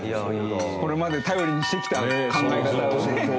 これまで頼りにしてきた考え方をね。